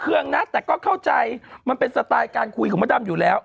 เครื่องนะแต่ก็เข้าใจมันเป็นสไตล์การคุยของมดดำอยู่แล้ว